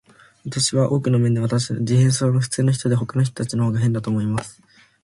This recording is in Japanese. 私は、多くの面で、私たち自閉症者のほうが普通で、ほかの人たちのほうが変だと思います。